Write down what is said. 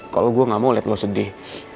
kalau gue gak mau lihat lo sedih